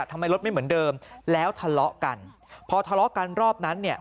ทำไมรถไม่เหมือนเดิมแล้วทะเลาะกันพอทะเลาะกันรอบนั้นเนี่ย